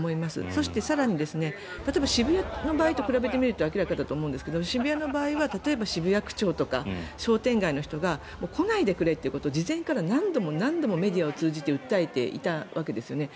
そして、更に例えば、渋谷の場合と比べると明らかだと思うんですが渋谷の場合は例えば渋谷区長とか商店街の人が来ないでくれということを事前に何度も何度もメディアを通じて訴えていたわけですよね。